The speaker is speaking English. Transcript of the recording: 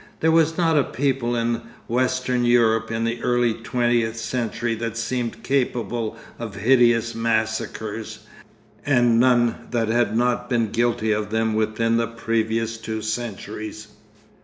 There was not a people in Western Europe in the early twentieth century that seemed capable of hideous massacres, and none that had not been guilty of them within the previous two centuries.